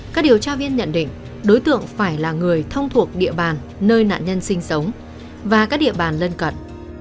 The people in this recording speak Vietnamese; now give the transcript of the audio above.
các điều tra viên nhận định đối tượng phải là người thông thuộc địa bàn nơi nạn nhân sinh sống và các địa bàn lân cận